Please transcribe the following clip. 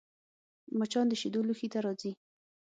مچان د شیدو لوښي ته راځي